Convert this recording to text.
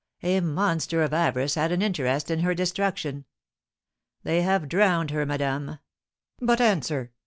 "A monster of avarice had an interest in her destruction. They have drowned her, madame! But answer!